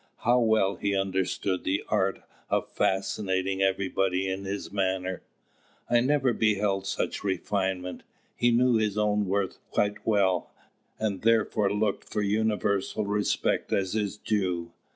How well he understood the art of fascinating everybody in his manner! I never beheld such refinement. He knew his own worth quite well, and therefore looked for universal respect as his due.